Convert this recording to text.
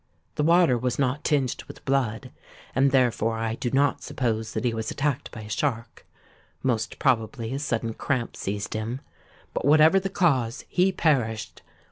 The water was not tinged with blood—and therefore I do not suppose that he was attacked by a shark: most probably a sudden cramp seized him;—but, whatever the cause, he perished!